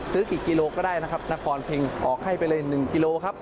ซื้อกี่กิโลก็ได้นะครับนครเพ็งออกให้ไปเลย๑กิโลครับ